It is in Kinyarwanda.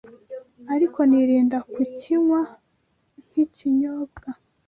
ariko nirinda kukinywa nk’ikinyobwa